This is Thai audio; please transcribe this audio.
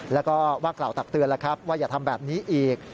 แล้วก็ว่ากล่าวตักเตือนแล้วครับว่าอย่าทำแบบนี้อีก